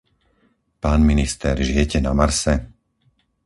Pán minister, žijete na Marse?